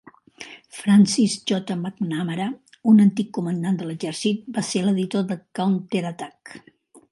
Francis J. McNamara, un antic comandant de l'exèrcit, va ser l'editor de "Counterattack".